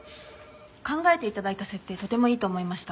考えて頂いた設定とてもいいと思いました。